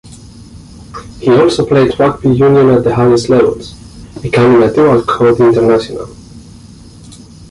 He also played rugby union at the highest levels, becoming a dual-code international.